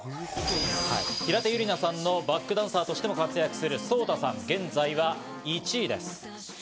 平手友梨奈さんのバックダンサーとしても活躍するソウタさん、現在は１位です。